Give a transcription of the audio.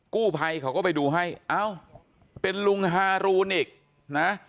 กู้ภัยเขาก็ไปดูให้เอ้าเป็นลุงฮารูนอีกนะ